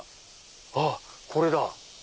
あっこれだ。